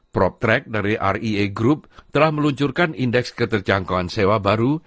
proptrack dari ria group telah meluncurkan indeks keterjangkauan sewa baru